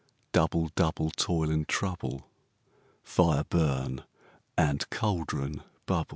ALL. Double, double, toil and trouble; Fire, burn; and cauldron, bubble.